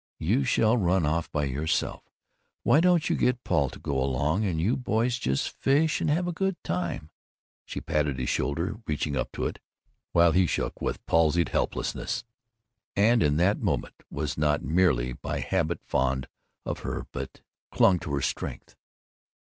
You shall run off by yourself! Why don't you get Paul to go along, and you boys just fish and have a good time?" She patted his shoulder reaching up to it while he shook with palsied helplessness, and in that moment was not merely by habit fond of her but clung to her strength.